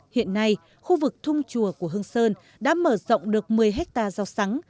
hiện nay khu vực thung chùa của hương sơn đã mở rộng được một mươi hectare rau sắn